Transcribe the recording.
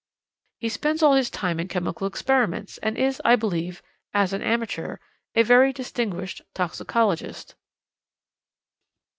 "'He spends all his time in chemical experiments, and is, I believe, as an amateur, a very distinguished toxicologist.'"